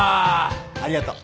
ありがとう。